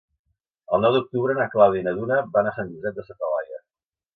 El nou d'octubre na Clàudia i na Duna van a Sant Josep de sa Talaia.